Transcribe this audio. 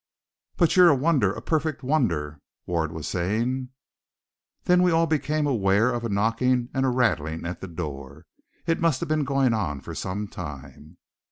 "But you're a wonder! a perfect wonder!" Ward was saying. Then we all became aware of a knocking and a rattling at the door. It must have been going on for some time.